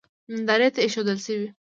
نندارې ته اېښودل شوی و.